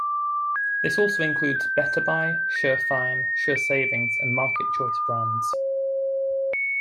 This also includes Better Buy, Shurfine, Shursavings, and Marketchoice brands.